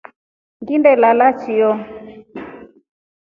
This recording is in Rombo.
Nginda lala chio.